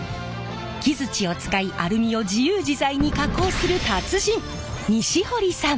木づちを使いアルミを自由自在に加工する達人西堀さん！